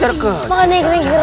mana yang keren kerennya tadi